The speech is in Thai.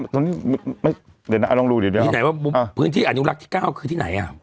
เดี๋ยวน้องลองดูเดี๋ยวเพื่อนที่อนุรักษ์ที่เก้าคือที่ไหน